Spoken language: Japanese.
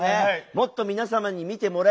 もっと皆様に見てもらえるような。